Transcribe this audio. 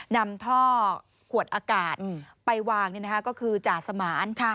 นำท่อขวดอากาศไปวางก็คือจ่าสมาน